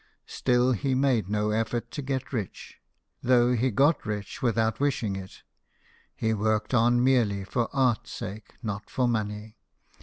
Still, he made no effort to get rich, though he got rich without wishing it ; he worked on merely for art's sake, not for money.